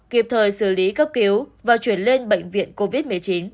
kịp thời xử lý cấp cứu và chuyển lên bệnh viện covid một mươi chín